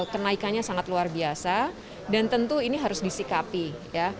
kenaikannya sangat luar biasa dan tentu ini harus disikapi ya